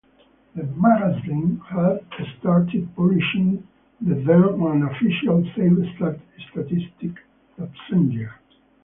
The magazine had started publishing the then-unofficial save statistic that same year.